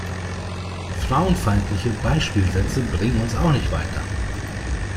Frauenfeindliche Beispielsätze bringen uns auch nicht weiter.